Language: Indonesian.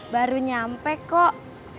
baru nyampe kok